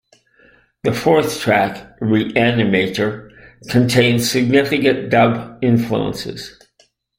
The fourth track, "Reanimator", contains significant dub influences.